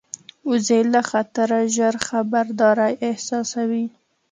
وزې له خطره ژر خبرداری احساسوي